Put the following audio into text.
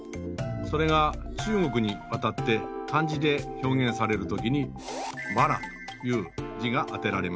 それが中国に渡って漢字で表現される時に「魔羅」という字が当てられました。